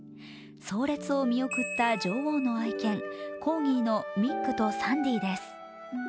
葬列を見送った女王の愛犬、コーギーのミックとサンディーです。